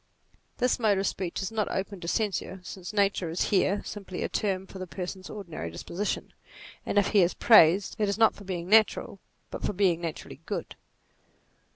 This mode of speech is not open to censure, since nature is here simply a term for the person's ordinary disposition, and if he is praised it is not for being natural, but for being naturally good.